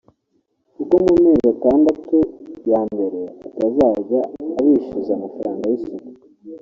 kuko mu mezi atandatu ya mbere atazajya abishyuza amafaranga y’isuku